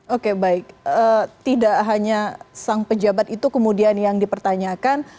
oke baik tidak hanya sang pejabat itu kemudian yang dipertanyakan